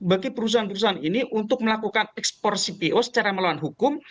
bagi perusahaan perusahaan ini untuk melakukan ekspor cpo secara melawan hukum